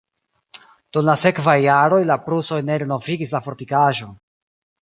Dum la sekvaj jaroj la prusoj ne renovigis la fortikaĵon.